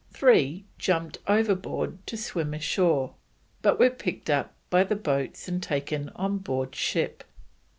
Three jumped overboard to swim ashore, but were picked up by the boats and taken on board ship.